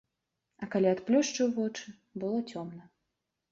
А калі адплюшчыў вочы, было цёмна.